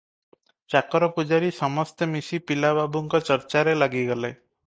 ଚାକର ପୂଜାରୀ ସମସ୍ତେ ମିଶି ପିଲା ବାବୁଙ୍କ ଚର୍ଚ୍ଚାରେ ଲାଗିଗଲେ ।